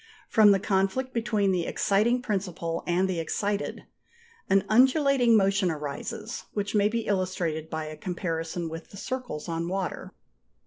From the conflict between the exciting principle and the excited, an undulating motion arises, which may be illustrated by a comparison with the circles on water.